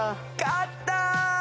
勝った！